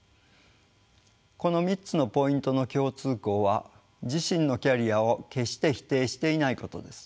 この３つのポイントの共通項は自身のキャリアを決して否定していないことです。